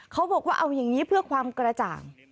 เขาบอกว่าเอาอย่างนี้เพื่อความกระจ่าง